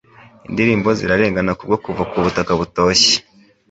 Indirimbo zirarengana kubwo Kuva ku butaka butoshye